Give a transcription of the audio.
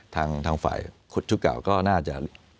ทางฝ่ายชุดเก่าก็น่าจะ